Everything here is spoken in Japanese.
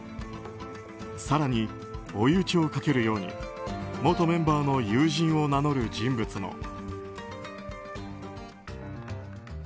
更に、追い打ちをかけるように元メンバーの友人を名乗る人物も。